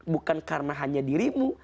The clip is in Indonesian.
bukan karena hanya dirimu